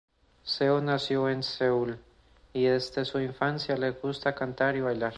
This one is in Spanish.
Seo nació en Seúl y desde su infancia le gusta cantar y bailar.